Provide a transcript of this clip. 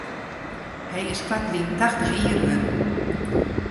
Hy is koartlyn tachtich jier wurden.